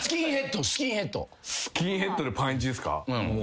スキンヘッドでパンイチですか？